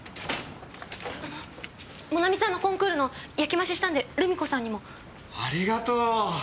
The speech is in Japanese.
あのもなみさんのコンクールの焼き増ししたんでルミ子さんにも。ありがとう。